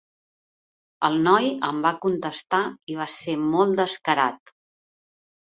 El noi em va contestar i va ser molt descarat.